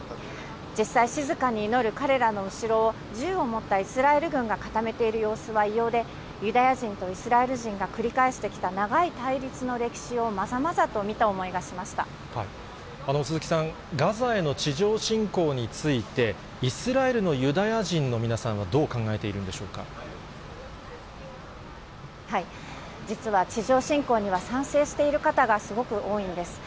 実際、静かに祈る彼らの後ろを、銃を持ったイスラエル軍が固めている様子は異様で、ユダヤ人とイスラエル人が繰り返してきた長い対立の歴史をまざま鈴木さん、ガザへの地上侵攻について、イスラエルのユダヤ人の皆さんは、どう考えているんで実は、地上侵攻には賛成している方がすごく多いんです。